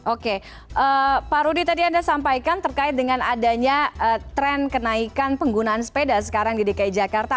oke pak rudy tadi anda sampaikan terkait dengan adanya tren kenaikan penggunaan sepeda sekarang di dki jakarta